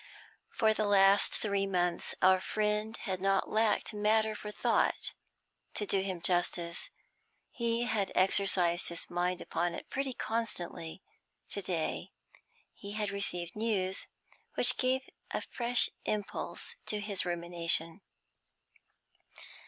For the last three months our friend had not lacked matter for thought; to do him justice, he had exercised his mind upon it pretty constantly. To day he had received news which gave a fresh impulse to his rumination.